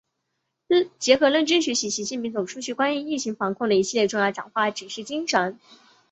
结合认真学习习近平总书记关于疫情防控的一系列重要讲话、指示精神